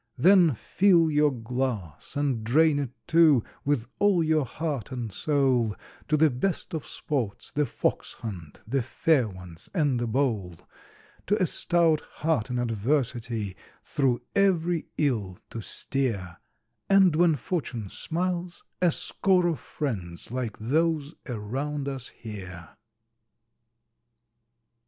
Then fill your glass, and drain it, too, with all your heart and soul, To the best of sports The Fox hunt, The Fair Ones, and The Bowl, To a stout heart in adversity through every ill to steer, And when Fortune smiles a score of friends like those around us here.